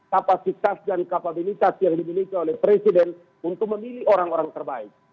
kapasitas dan kapabilitas yang dimiliki oleh presiden untuk memilih orang orang terbaik